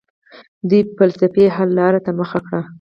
دوی فلسفي حل لارې ته مخه کړه.